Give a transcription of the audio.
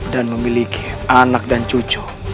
dan memiliki anak dan cucu